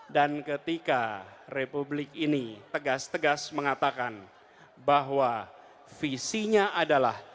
dan ketika republik ini tegas tegas mengatakan bahwa visinya adalah